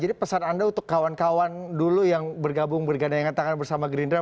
jadi pesan anda untuk kawan kawan dulu yang bergabung bergandanya tangan bersama gerindra